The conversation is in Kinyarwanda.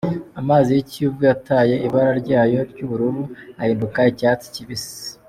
Amazi y’Ikivu yataye ibara ryayo ry’ubururu ahinduka icyatsi kibisi.